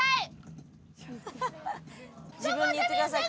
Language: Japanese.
自分に言ってください。